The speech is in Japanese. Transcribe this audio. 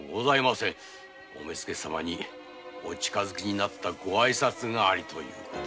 お目付様にお近づきになったごあいさつという事で。